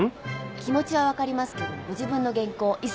気持ちは分かりますけどご自分の原稿急いでください。